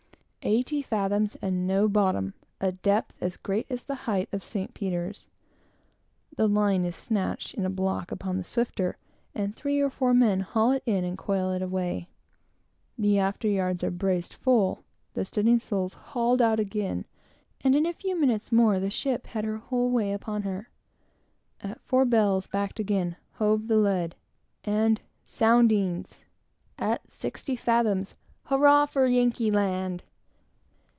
Eighty fathoms, and no bottom! A depth as great as the height of St. Peter's! The line is snatched in a block upon the swifter, and three or four men haul it in and coil it away. The after yards are braced full, the studding sails hauled out again, and in a few minutes more the ship had her whole way upon her. At four bells, backed again, hove the lead, and soundings! at sixty fathoms! Hurrah for Yankee land!